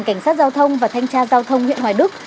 cảnh sát giao thông và thanh tra giao thông huyện hoài đức